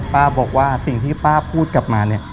บอกว่าสิ่งที่ป้าพูดกลับมาเนี่ย